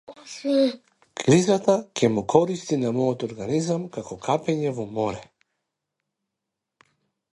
Кризата ќе му користи на мојот организам како капење во море.